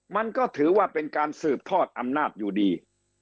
มันก็ถือว่าเป็นการสืบทอดอำนาจอยู่ดี